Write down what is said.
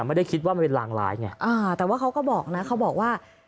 ไม่ได้คิดว่ามันเป็นรางร้ายไงอ่าแต่ว่าเขาก็บอกนะเขาบอกว่า